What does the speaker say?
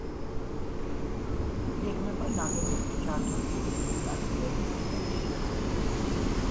იგეგმება ნაგებობის ჩართვა ტურისტული ადგილების სიაში.